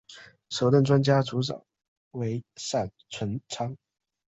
首任专家组组长为闪淳昌。